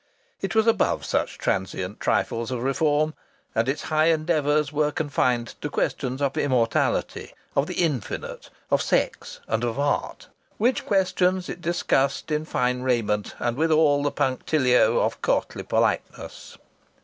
It was above such transient trifles of reform, and its high endeavours were confined to questions of immortality, of the infinite, of sex, and of art: which questions it discussed in fine raiment and with all the punctilio of courtly politeness.